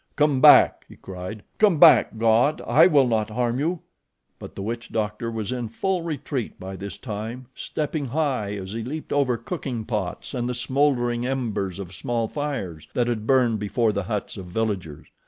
"Come back!" he cried. "Come back, God, I will not harm you." But the witch doctor was in full retreat by this time, stepping high as he leaped over cooking pots and the smoldering embers of small fires that had burned before the huts of villagers.